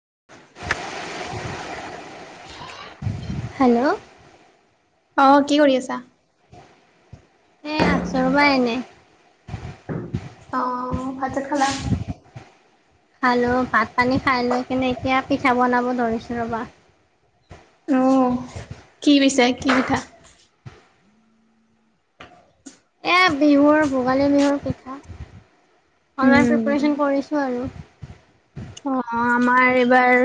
[unintelligible] Hello অ কি কৰি আছা? হে আছোঁ ৰবা এনে অ ভাত চাত খালা খালোঁ ভাত পানী খাই লৈ কিনে এতিয়া পিঠা বনাব ধৰিছো ৰ'বা অ কি পিছে কি পিঠা এই বিহুৰ ভোগালী বিহুৰ পিঠা অলমান উম। প্ৰিপাৰেচন কৰিছোঁ আৰু অ আমাৰ এইবাৰ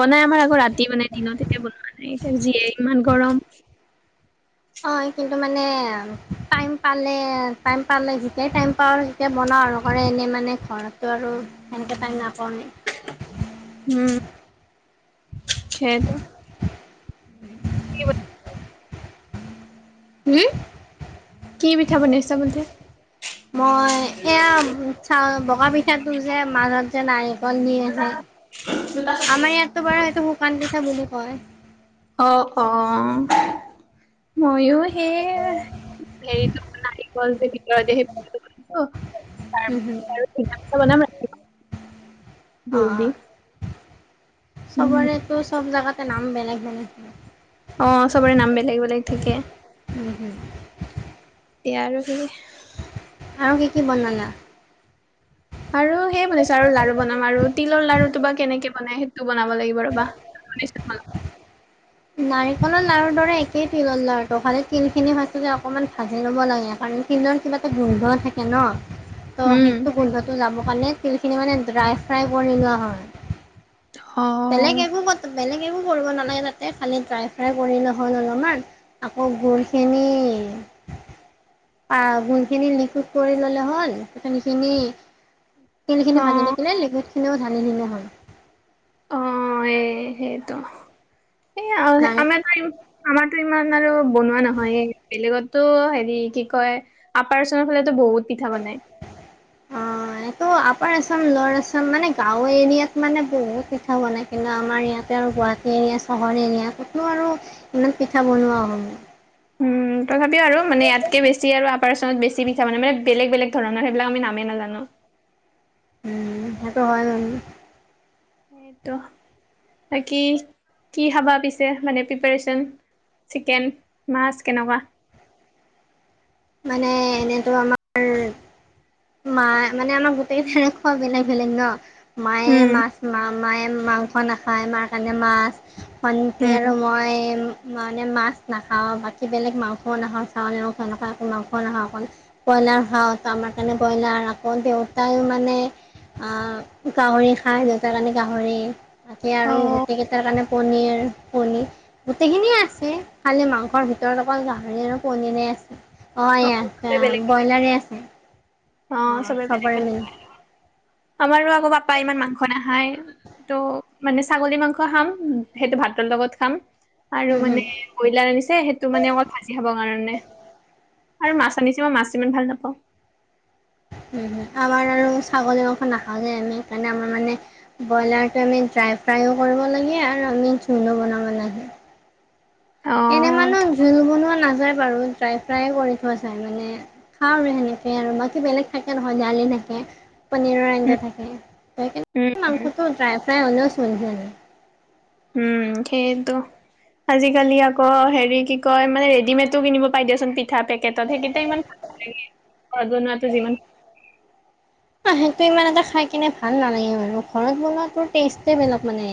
বনাই আমাৰ আকৌ ৰাতি বনাই দিনত এতিয়া বনোৱা নাই এতিয়া যিয়ে ইমান গৰম অ কিন্তু মানে টাইম পালে টাইম পালে যেতিয়াই টাইম পাওঁ তেতিয়া বন বনাও নহলে এনেই মানে ঘৰতটো আৰু সেনেকে পাই নাপওঁ ন উম সেইটো [unintelligible] [inaudible] হু কি পিঠা বনাইছা বোলে? মই এয়া চাও কা পিঠাটো যে মাজত যে নাৰিকল দি আছে আমাৰ ইয়াতো বাৰু সেইটো কান পিঠা বুলি কয় অ অ ময়ো সেই হেৰিতো নাৰিকল দি সেই পিঠাটো বনালো হুঁ হুঁ অ গুৰ অ দি। উম। চবৰেতটো চব জেগাতে নাম বেলেগ বেলেগ হয় অ চবৰে নাম বেলেগ বেলেগ থাকে হয়। এয়া আৰু কি আৰু কি কি বনালা আৰু সেইয়ে বনাইছো আৰু লাৰু বনাম আৰু তিলৰ লাৰু তো বা কেনেকে বনাই সেইটো বনাব লাগিব ৰবা শুনিছোঁ তোমালোকক নাৰিকলৰ লাৰুৰ দৰে একেই তিলৰ লাৰুটো হলে তিল খিনি ফাৰ্ষ্টটে অকনমান ভাজি ল'ব লাগে কাৰণ তিলৰ কিবা এটা গোন্ধ থাকে ন ত' উম। সেইটো গোন্ধটো যাব কাৰণে তিলখিনি মানে ড্ৰাই ফ্ৰাই কৰি লোৱা হয় বেলেগ এক অ'। একো ক বেলেগ একো কৰিব নালাগে তাতে খালি ড্ৰাই ফ্ৰাই কৰিলে হ'ল অলপমান আকৌ গুৰখিনি [inaudible] আহ গুণখিনি লিকুট কৰি ললে হল তিলখিনি তিলখিনি ভাজি অ', থাকিলে লিকুইট খিনিও ঢালি দিলেই হল এ সেইটো হে আও নাৰি আমাৰ আমাৰো টো ইমান আৰু বনোৱা নহয় বেলেগত তো হেৰি কি কয় আপাৰ আচাম ফালে বহুত পিঠা বনাই [unintelligible] অ এইটো আপাৰ আচাম লো আচাম মানে গাঁওৰ এৰিয়াত মানে বহুত পিঠা বনাই কিন্তু আমাৰ ইয়াত ততে আৰু গুৱাহাটী এৰিয়া চহৰ এৰিয়া কতো আৰু ইমান পিঠা বনোৱা উম উম তথাপিও আৰু মানে ইয়াতকে বেছি আৰু আপাৰ আচামত বেছি পিঠা মানে মানে বেলেগ বেলেগ, [unintelligible] ধৰণৰ সেইবিলাক আমি নামেই নাজানো উম সেইটো হয় ন সেইটো বাকী কি খাবা পিছে মানে প্ৰিপাৰেচন, চিকেন মাছ কেনেকুৱা? মানে এনেইতো আমাৰ মা মানে আমাৰ গোটেই চেনে খোৱা বেলেগ বেলেগ ন মায়ে উম। মাছ মা মায়ে মা মাংস নাখায় মা কাৰণে মাছ, ভন্তি উম, আৰু মই মানে মাছ, নাখাওঁ বাকী বেলেগ মাংস নখাওঁ চাউল মাংস এনেকুৱা মাংস নখাওঁ অকল ব্ৰইলাৰ খাওঁ আমাৰ, সেইকাৰণে ব্ৰইলা, আকৌ দেউতায়ো মানে আহ গাহৰি খাই দেউতা কাৰণে গাহৰি বাকী আৰু অ', গোটেইকেইটাৰ কাৰণে পনীৰ কণী গোটেইখিনিয়ে আছে খালি মাংসৰ ভিতৰত অকণ গাহৰি আৰু পনীৰে আছে অ চবে এয়া বেলেগ ব্ৰইলাৰে আছে। অ চবেই চবৰে মিল আমাৰো আকৌ পাপা ইমান মাংস নাখায় ত' মানে ছাগলী মাংস খাম সেইটো ভাতৰ লগত খাম আৰু উম, হম, মানে ব্ৰইলাৰ আনিছে সেইটো মানে অকল ভাজি খাব কাৰণে আৰু মাছ আনিছে মই মাছ ইমান ভাল নাপাওঁ আমাৰ আৰু ছাগলী মাংস নাখাওঁ যায় আমি সেইকাৰণে আমাৰ মানে ব্ৰইলাৰটো আমি [unintelligible] ড্ৰাই ফ্ৰাইও কৰিব লাগে আৰু আমি জোল ও বনাব লাগে। [unintelligible] এনে অ', মানুহ জোল বনোৱা নাযায় বাৰু ড্ৰাই ফ্ৰাই কৰি থোৱা যায় মানে খাওঁ আৰু সেনেকে আৰু বাকী বেলেগ খ [unintelligible] দালি থাকে পনীৰৰ উম, আঞ্জা থাকে উম, স উম, মাংসটো ড্ৰাই ফ্ৰাই হলেও চলি যায় আৰু উম সেইটো আজিকালি আকৌ হেৰি কি কয় মানে ৰেডিমেডটো কিনিব পাই দিয়চোন পিঠা পেকেটত সেইকেইটা ইমান ঘৰত বনোৱাটো যিমান আহ সেইটো ইমান এটা খাই কিনে ভাল নালাগে মানে ঘৰত বনোৱাটো টেষ্টই বেলেগ মানে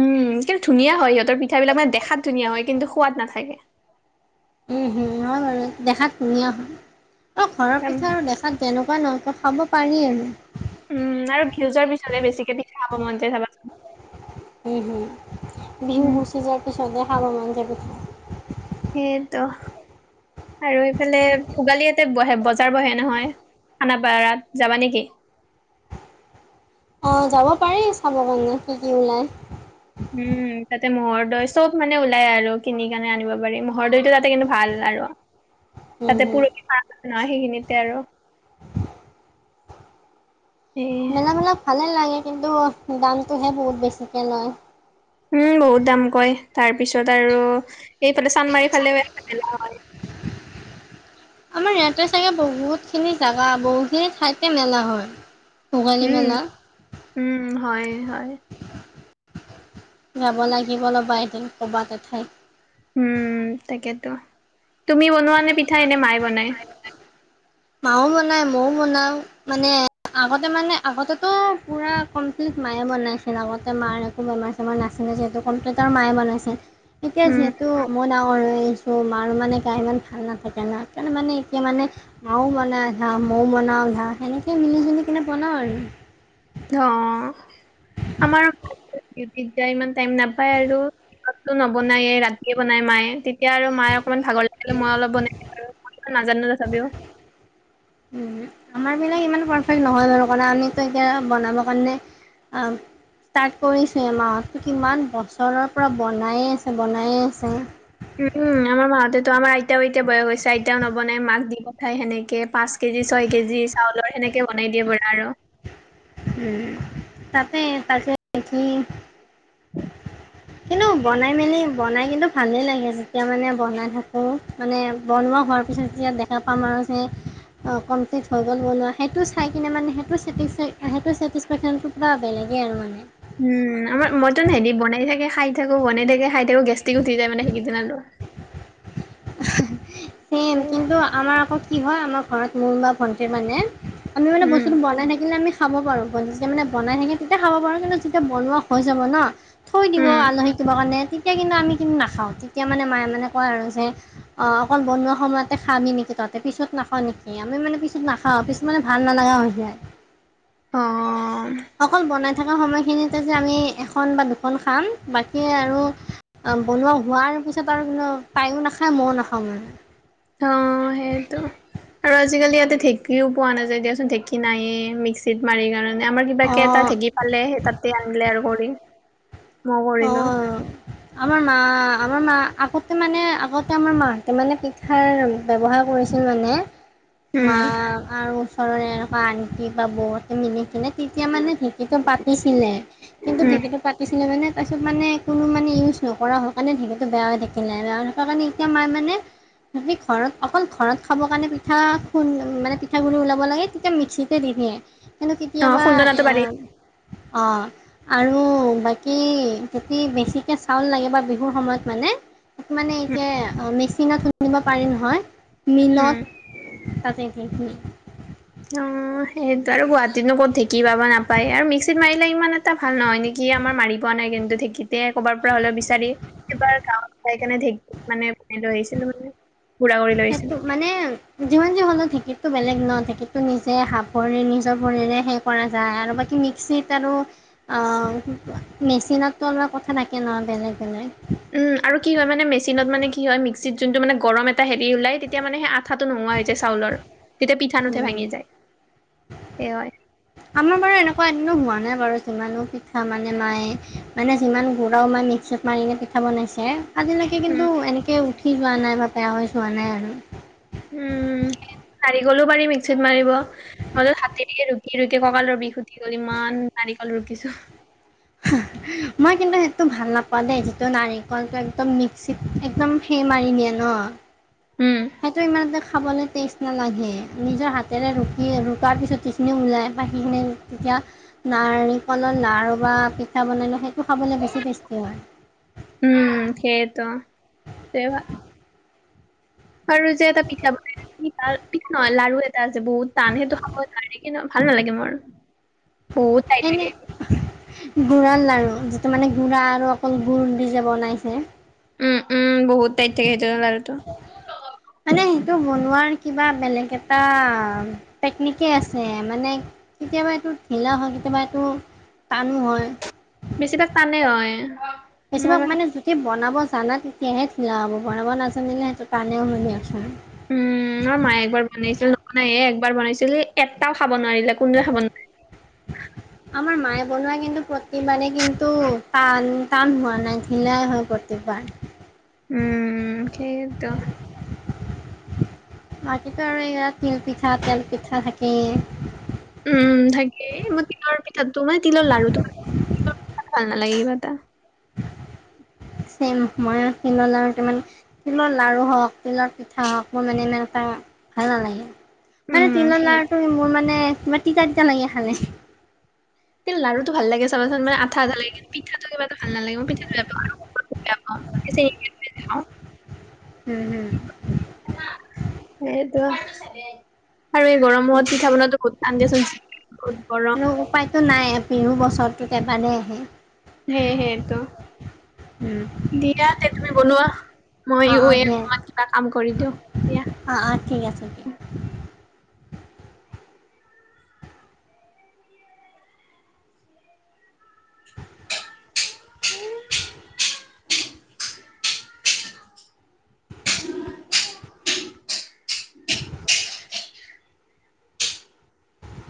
উম কিন্তু ধুনীয়া হয় সিহঁতৰ পিঠাবিলাক মানে দেখাত ধুনীয়া হয় কিন্তু সোৱাদ নাথাকে হয় বাৰু দেখাত ধুনীয়া হয় অ ঘৰৰ পিঠা আৰু দেখাত যেনেকুৱা নহয় খাব পাৰি আমি উম আৰু ভিউজৰ পিছফালে বেছিকে দি খাব মন যায় ভাবাচোন উম সদায় খাব মন যাব। সেইটো আৰু এইফালে ভোগালী ইয়াতে বহে বজাৰ বহে নহয় খানাপাৰাত যাবা নেকি? অ যাব পাৰি চাব কাৰণে কি কি ওলাই? উম, তাতে ম'হৰ দৈ চব মানে ওলাই আৰু কিনি কাৰনে আনিব পাৰি ম'হৰ দৈতটো তাতে কিন্তু ভাল আৰু উম তাতে হুম পুৰহি পাৰ ন সেইখিনিতে আৰু এ মেলা বিলাক ভালেই লাগে কিন্তু দামটোহে বহুত বেছিকৈ লয়। উম বহুত দাম কয় তাৰ পিছত আৰু এইফালে চান্মাৰি ফালেও মেলা হয় আমাৰ ইয়াতে চাগে বহুতখিনি জাগা বহুতখিনি ঠাইতে মেলা হয়। ভোগালী উম মেলা উম হয় হয় যাব লাগিব ৰবা এদিন ক'বা এঠাইত। উম তাকেতো তুমি বনোৱা নে পিঠা এনে মায়ে বনাই? মাও বনাই মইও বনাও মানে আগতে মানে আগতেতো পুৰা কমপ্লিট মায়ে বনাইছে আগতে মাৰ একো বেমাৰ চেমাৰ নাছিলে যিহেতু [unintelligible] মায়ে বনাইছে। তেতিয়া উম, যিহেতু মই, ডাঙৰ হৈ আহিছো মাৰ মানে গাৰ ইমান ভাল নাথাকে ন মানে এতিয়া মানে মাও বনাওঁ আধা মইও বনাওঁ আধা সেনেকে মিলি জুলি কিনে বনাওঁ আৰু অ আমাৰ দিউটিত যাই ইমান টাইম নাপায় আৰু দিনততো নবনায়েই ৰাতিয়ে বনাই মায়ে তেতিয়া আৰু মায়ে অকনমান ভাগৰ লাগিলে মই অলপ বনাই দিও আৰু নাজানো তথাপিও উ আমাৰ বিলাক ইমান পাৰফেক্ট নহয় বাৰু কাৰণে আমিতো এতিয়া বনাব কাৰণে আম ষ্টাৰ্ট কৰিছে এ মাহ কিমান বছৰৰ পৰা বনায়ে আছে বনায়ে আছে উম উম আমাৰ মা হতেতো আমাৰ আইতাও বয়স হৈছে আইতাও নবনাই মাক দি পঠাই সেনেকে পাঁচ কেজি ছয় কেজি চাউলৰ সেনেকে বনাই দিয়ে বাৰু আৰু উম তাতে তাকে কি কিন্তু বনাই মেলি বনাই কিন্তু ভালেই লাগে যেতিয়া মানে বনাই থাকো মানে বনোৱা হোৱাৰ পিছত যেতিয়া দেখা পাম আৰু অ কমপ্লিট হৈ গ'ল বনোৱা সেইটো চাই কিনে মানে সেইটো চেটিং চাই সেইটো চেটিছফেকশ্যনটো পুৰা বেলেগেই আৰু মানে উম আমাৰ মতন হেতি বনাই থাকে খাই থাকো বনাই থাকে খাই থাকো তেওঁ গেষ্ট্ৰিক উঠি যায় মানে সেইদিনাতো এ কিন্তু আমাৰ আকৌ কি হয় আমাৰ ঘৰত মোৰ মা ভন্টিৰ মানে আমি মানে উম বস্তুটো বনাই থাকিলে আমি খাব পাৰো যেতিয়া মানে বনাই থাকে তেতিয়া খাব পাৰো কিন্তু যেতিয়া বনোৱা হৈ যাব ন থৈ দিব উম আলহী দিব কাৰণে তেতিয়া কিন্তু আমি কিন্তু নাখাওঁ তেতিয়া মানে মায়ে মানে কয় আৰু যে অকণ বনোৱা সময়তে খাবি নেকি তহতে পিছত নাখাও নেকি আমি মানে পিছত নাখাওঁ পিছত মানে ভাল নলগা হৈ যায় উ [unintelligible] অকল বনাই থকা সময়খিনিতে যে আমি এখন বা দুখন খাম বাকী আৰু অ' বনোৱা হোৱাৰ পিছত আৰু কিন্তু তাইও নাখায়। মইও নাখাওঁ মানে অ' সেইটো আৰু আজিকালি ইয়াতে ঢেঁকীও পোৱা নাযায় দিয়াচোন। ঢেঁকী নাইয়ে মিক্সিত মাৰি কিনি আমাৰ কিবাকে এটা অ ঢেঁকী পালে। সেই তাতে আনিলে আৰু কৰি মই কৰিলোঁ। অ' আমাৰ মা আমাৰ মা আগতে মানে আগতে আমাৰ মাহঁতে মানে পিঠাৰ ব্যৱহাৰ কৰিছিল মানে। মা উম, আৰু ওচৰৰে এনেকুৱা আনতি বা মিলি কিনে তেতিয়া মানে ঢেঁকীটো পাতিছিলে কিন্তু উম, ঢেঁকীটো পাতিছিলে মানে তাৰপিছত মানে কোনো মানে ইউজ নকৰা হোৱা কাৰণে ঢেঁকীয়াটো বেয়া হৈ থাকিলে। বেয়া হৈ থাকাৰ কাৰণে এতিয়া মাই মানে সি ঘৰত অকল ঘৰত খাবৰ কাৰণে পিঠা খুন মানে পিঠাগুড়ি ওলাব লাগে তেতিয়া মিক্সিতে দি দিয়ে। কিন্তু অ', কেতিয়াবা খুন্দনাটো পাৰি অ' আৰু বাকী যদি বেছিকে চাউল লাগে বা বিহুৰ সময়ত মানে মানে এতিয়া মেচিনত নিব পাৰি নহয়। উম, মিনত তাতে কিখি অ' সেইটো আৰু গুৱাহাটী নো ক'ত ঢেঁকী পাবা নাপায় আৰু মিক্সিত মাৰিলে ইমান এটা ভাল নহয় নেকি আমাৰ মাৰি পোৱা নাই কিন্তু ঢেকীতে কবাৰ পৰা হলো বিচাৰি এইবাৰ গাঁৱত খাই ঢেকী মানে তেনেদৰে লৈ আহিছিলো মানে গুড়া কৰি লৈ আহিছিলোঁ। সেইটো মানে যিমান যি হলেও ঢেকী ত বেলেগ ন ঢেকীটো নিজে হাত ভৰি নিজৰ ভৰিৰে হে কৰা যায় আৰু বাকী মিক্সিত আৰু অ' মেচিনতো অলপ কথা থাকে নহয় বেলেগ বেলেগ উম আৰু কি হয় মানে মেচিনত মানে কি হয় মিক্সিত যোনটো মানে গৰম এটা হেৰি ওলাই তেতিয়া মানে হাত আঠাটো নোহোৱা হৈ যায়। চাউলৰ তেতিয়া পিঠা নুঠে উম। ভাঙি যায় সেই হয়। আমাৰ বাৰু এনেকুৱা এদিনো হোৱা নাই বাৰু যিমানো পিঠা মানে মায়ে মানে যিমান ঘূৰাও মানে পিছত মাৰিকিনি পিঠা বনাইছে। আজিলৈকে উম, কিন্তু এনেকৈ উঠি যোৱা নাই বা বেয়া হৈ চোৱা নাই আৰু উম। নাৰিকলো পাৰি মিক্সিত মাৰিব মাজত হাতেৰেকে ৰুকি ৰুকি কঁকালৰ বিষ উুঠি গ'ল ইমান। নাৰি কাল ৰুকিছো। মই কিন্তু সেইটো ভাল নাপাওঁ দেই যিটো নাৰিকলটো একদম মিক্সিত একদম সেই মাৰি দিয় আনো। ন। উম, সেইটো ইমান দেখ খাবলৈ টেষ্ট নালাগে। নিজৰ হাতেৰে ৰুকি ৰুকাৰ পিছত সেইখিনি ওলায় বা সিখিনি তেতিয়া নাৰিকলত লাৰু বা পিঠা বনালে সেইটো খাবলৈ বেছি টেষ্টি হয়। উম সেইটো তে আৰু যে এটা পিঠা বনাই প ন লাৰু এটা আছে বহুত টান সেইটো খাব ন কিন্ত ভ ভাল নালাগে মোৰ। বহুত টাইত গুড়ৰ লাৰু যিটো মানে গুড়া আৰু অকল গুড় দি যে বনাইছে। উম উম বহুত টাইত থাকে সেইটোতো মানে সেইটো বনোৱাৰ কিবা বেলেগ এটা টেকনিকেই আছে মানে কেতিয়াবা এইটো ঢিলা হয় কেতিয়াবা এইটো টানো হয়। বেছি তাক টানেই হয়। বেছিভাগ মোৰ মানে যদি বনাব জানা তেতিয়াহে ঠিলা হ'ব বনাব নাজানিলে সেইটো কণেও হ'ব দিয়াচোন উম ম মায়ে একবাৰ বনাইছিল নহনাইে একবাৰ বনাইছিল। এটাও খাব খাব নোৱাৰিলে কোনোৱে খাব নোৱাৰিলে। আমাৰ মায়ে বনোৱা কিন্তু প্ৰতিবাৰেেই কিন্তু টান টান হোৱা নাই ঢিলাই হয় প্ৰতিবাৰ উম সেইতো বাকীটো আৰু ইয়াত তিল পিঠা তেল পিঠা থাকেই। উম থাকে মই তিলৰ পিঠাটো মানে তিলৰ লাৰুটো তোমাৰ ভাল নালাগে কিবা এটা। ছেম মইও [unintelligible] তিলৰ লাৰু হওক তিলৰ পিঠা হওক মোৰ মানে ইমান এটা ভাল নালাগে। মানে উম, তিল সেই লাৰুটো মোৰ মানে তোমাৰ তিতা তিতা লাগে খালে। লাৰুটো ভাল লাগে চাবাচোন মান আঠা আঠা লাগে কি পিঠাটো কিবা ভাল নালাগ মই পঠাটো বেয়াওঁ বেয়া পা। [unintelligible] উম হম। সেইটোয়ে। আৰু এই গৰম হত পিঠা বনাোৱাটো বহুত টান বহুত গৰম। বিহ বছৰটো এবাৰেই আহে। হে সেইটো উম। দিয়া তে তুমি বনোৱা। অ', অ', সেয়াই মইত কিবা কাম কৰি দিওঁ এতিয়া। অ', অ', ঠিক আছে দিয়া। উ। [unintelligible]